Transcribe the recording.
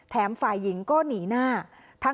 ฝ่ายหญิงก็หนีหน้า